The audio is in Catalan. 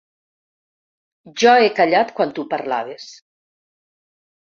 Jo he callat quan tu parlaves.